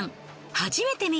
初めて見る